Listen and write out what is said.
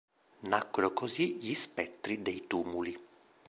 Nacquero così gli Spettri dei Tumuli.